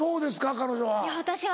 彼女は。